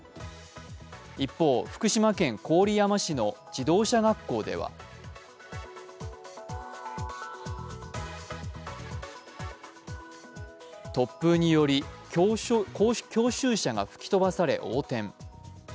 一方、福島県郡山市の自動車学校では突風により教習車が吹き飛ばされ横転。